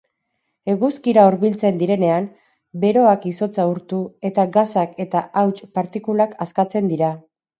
Eguzkira hurbiltzen direnean, beroak izotza urtu, eta gasak eta hauts partikulak askatzen dira.